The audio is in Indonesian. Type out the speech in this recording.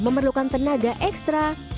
memerlukan tenaga ekstra